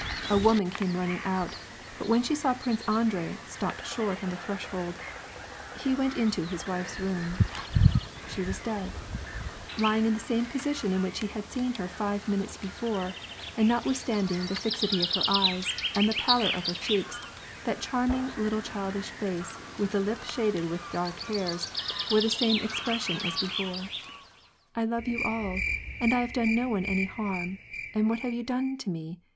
A woman came running out, but when she saw Prince Andrei, stopped short on the thresh hold. He went into his wife's room. She was dead, lying in the same position in which he had seen her five minutes before, and, notwithstanding the fixity of her eyes, and the pallor of her cheeks, that charming, little childish face, with the lip shaded with dark hairs, wore the same expression as before, —" I love you all, and I have done no one any harm, and what have you done to me